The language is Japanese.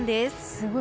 すごい。